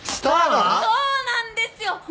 そうなんですよ！